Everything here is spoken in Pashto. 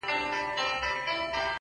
د رازونو قلندر راته معلوم دى.!